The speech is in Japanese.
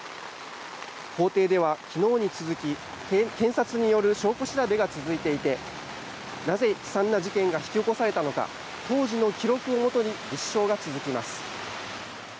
法廷では昨日に続き検察による証拠調べが続いていてなぜ悲惨な事件が引き起こされたのか当時の記録をもとに立証が続きます。